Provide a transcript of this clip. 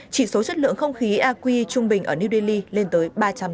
chỉ số chất lượng không khí aqi trung bình ở new delhi lên tới ba trăm tám mươi sáu